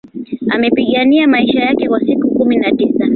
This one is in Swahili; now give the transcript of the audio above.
Amepigania maisha yake kwa siku kumi na tisa